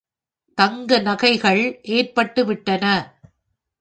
தங்க நகைள் ஏற்பட்டுவிட்டன.